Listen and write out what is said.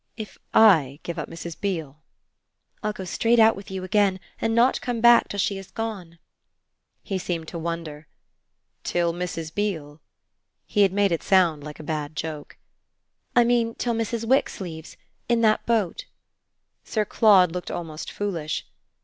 "If I give up Mrs. Beale ?" "I'll go straight out with you again and not come back till she has gone." He seemed to wonder. "Till Mrs. Beale ?" He had made it sound like a bad joke. "I mean till Mrs. Wix leaves in that boat." Sir Claude looked almost foolish.